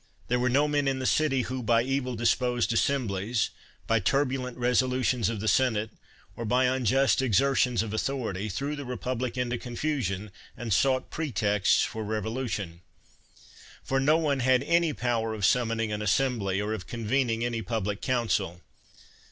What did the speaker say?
There were no men in the city who, by evil dis posed assemblies, by turbulent resolutions of the senate, or by unjust exertions of authority, threw the republic into confusion, and sought pretexts for revolution. For no one had any power of summoning an assembly, or of convening any public council.